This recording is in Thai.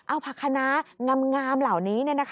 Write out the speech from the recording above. เอาผักคณะงามเหล่านี้